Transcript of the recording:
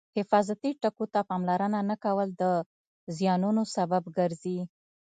حفاظتي ټکو ته پاملرنه نه کول د زیانونو سبب ګرځي.